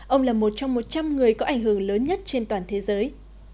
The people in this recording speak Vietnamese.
ông là một trong một trăm linh người có ảnh hưởng lớn nhất trên toàn thế giới